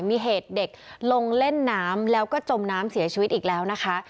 มีเหตุเด็กลงเล่นน้ำแล้วก็จมน้ำเสียชีวิตอีกแล้วนะคะ